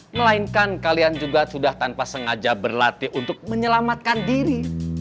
melainkan kalian juga sudah tanpa sengaja berlatih untuk menyelamatkan diri